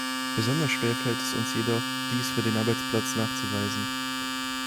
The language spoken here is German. Besonders schwer fällt es uns jedoch, dies für den Arbeitsplatz nachzuweisen.